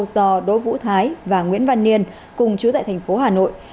do đỗ vũ thái và nguyễn văn niên cùng chú tại thành phố hà nội